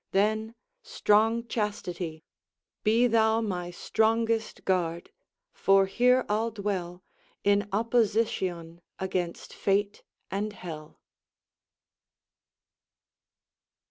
Then, strong Chastity, Be thou my strongest guard; for here I'll dwell In opposition against fate and hell.